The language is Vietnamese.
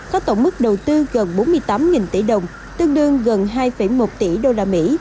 cả trên mặt đất và không gian ngầm